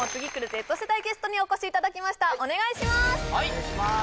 Ｚ世代ゲストにお越しいただきましたお願いします